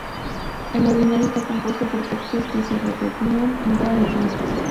El Ordinario está compuesto por textos que se repetían en todas las misas.